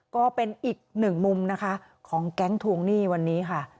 ก็เป็นอีกหนึ่งมุมนะคะของแก๊งทวงหนี้วันนี้ค่ะ